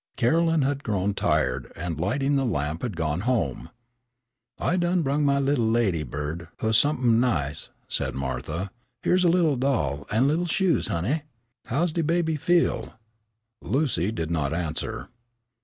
Caroline had grown tired and, lighting the lamp, had gone home. "I done brung my little lady bird huh somep'n nice," said Martha, "here's a lil' doll and de lil' shoes, honey. How's de baby feel?" Lucy did not answer.